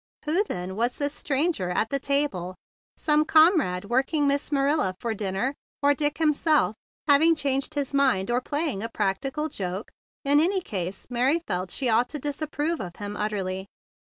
Who, then, was this stranger at the table? Some comrade working Miss Marilla for a dinner, or Dick himself, having changed his mind or playing a practical joke? In any case Mary felt she ought to disapprove of him utterly.